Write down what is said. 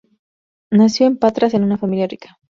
Nació en Patras en una familia rica.